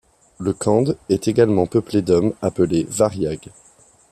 Le Khand est également peuplé d'hommes, appelés Variags.